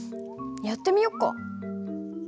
やってみよっか。